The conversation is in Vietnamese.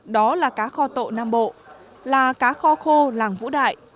đó là cá kho tậu nam bộ là cá kho khô làng vũ đại